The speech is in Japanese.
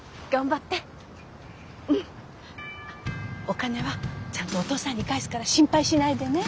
お金はちゃんとお父さんに返すから心配しないでね。